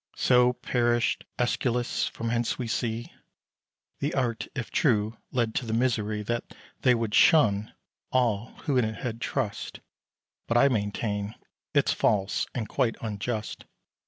So perished Æschylus. From hence, we see, The art, if true, led to the misery That they would shun, all who in it had trust; But I maintain it's false, and quite unjust.